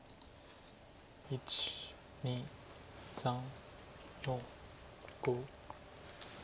１２３４５。